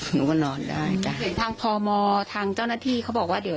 หนูก็นอนได้จ้ะเห็นทางพมทางเจ้าหน้าที่เขาบอกว่าเดี๋ยว